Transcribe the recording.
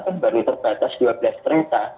kan baru terbatas dua belas kereta